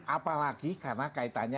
apalagi karena kaitannya